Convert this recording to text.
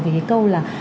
với câu là